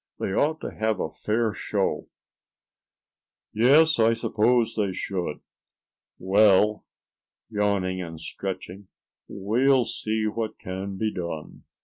They ought to have a fair show." "Yes, I suppose they should. Well," yawning and stretching, "we'll see what can be done.